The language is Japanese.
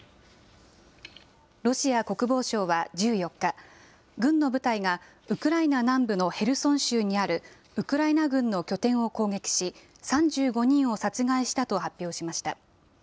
ロシア国防省は１４日、軍の部隊がウクライナ南部のヘルソン州にあるウクライナ軍の拠点を攻撃し、３５人を殺害したと発表しました。